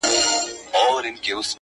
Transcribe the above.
دوی دواړه بحث کوي او يو بل ته ټوکي کوي,